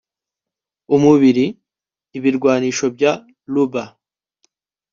umubiri-ibirwanisho bya rubber